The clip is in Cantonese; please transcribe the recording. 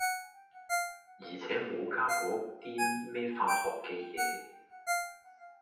而且無加嗰啲咩化學嘅嘢。